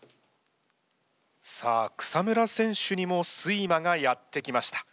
さあ草村選手にも睡魔がやって来ました。